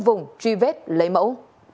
vùng truy vết lấy mẫu